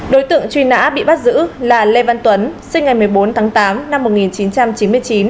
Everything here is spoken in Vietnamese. đối tượng truy nã bị bắt giữ là lê văn tuấn sinh ngày một mươi bốn tháng tám năm một nghìn chín trăm chín mươi chín